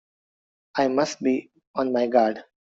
I must be on my guard!